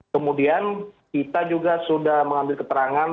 kemudian kita juga sudah mengambil keterangan